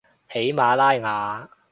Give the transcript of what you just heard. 喜马拉雅